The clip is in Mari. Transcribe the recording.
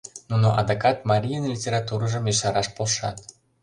Нуно адакат марийын литературыжым ешараш полшат.